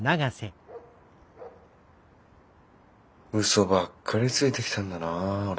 嘘ばっかりついてきたんだな俺。